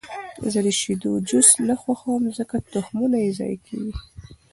زه د شیدو جوس نه خوښوم، ځکه تخمونه یې ضایع کېږي.